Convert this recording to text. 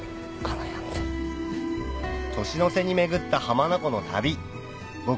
年の瀬に巡った浜名湖の旅僕